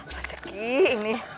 aduh apa cekik ini